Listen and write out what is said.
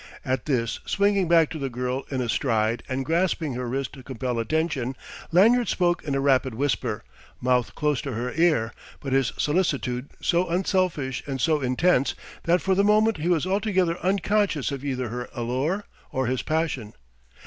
At this, swinging back to the girl in a stride, and grasping her wrist to compel attention, Lanyard spoke in a rapid whisper, mouth close to her ear, but his solicitude so unselfish and so intense that for the moment he was altogether unconscious of either her allure or his passion.